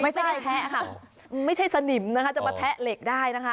ไม่ใช่แทะค่ะไม่ใช่สนิมนะคะจะมาแทะเหล็กได้นะคะ